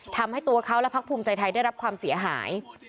ทำให้ตัวเขาและพักภูมิใจไทยได้รับความเสียหาย